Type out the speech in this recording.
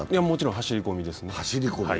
もちろん走り込みですね。